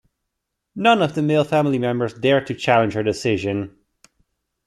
None of the male family members dared to challenge her decision.